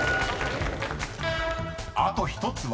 ［あと１つは？］